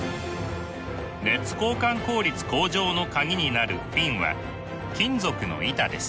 熱交換効率向上の鍵になるフィンは金属の板です。